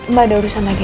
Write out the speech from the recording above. mbak ada urusan lagi